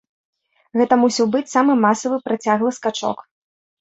Гэта мусіў быць самы масавы працяглы скачок.